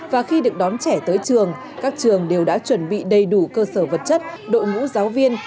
và khi được đón trẻ tới trường các trường đều đã chuẩn bị đầy đủ cơ sở vật chất đội ngũ giáo viên